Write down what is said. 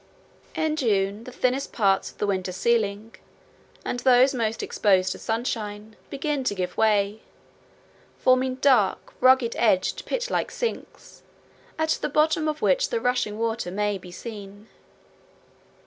In June the thinnest parts of the winter ceiling, and those most exposed to sunshine, begin to give way, forming dark, rugged edged, pit like sinks, at the bottom of which the rushing water may be seen.